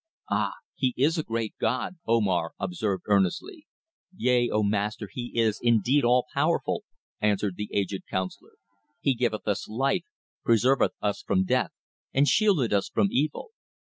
"Ah! he is a great god," Omar observed earnestly. "Yea, O Master, he is indeed all powerful," answered the aged councillor. "He giveth us life, preserveth us from death, and shieldeth us from evil."